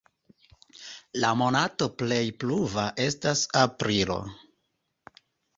La monato plej pluva estas aprilo.